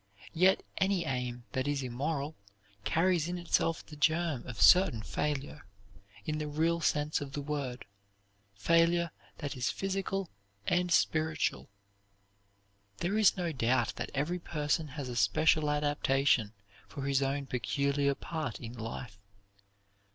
Yet any aim that is immoral carries in itself the germ of certain failure, in the real sense of the word failure that is physical and spiritual. There is no doubt that every person has a special adaptation for his own peculiar part in life.